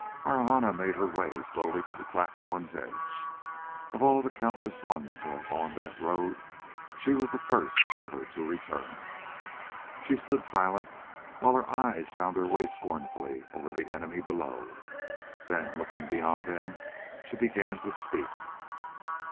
Marahna made her way slowly to the platform's edge. Of all the countless ones to have gone that road, she was the first ever to return. She stood silent, while her eyes found their way scornfully over the enemy below. Then looking beyond them, she began to speak.